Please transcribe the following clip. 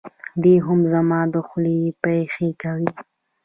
دی هم زما دخولې پېښې کوي.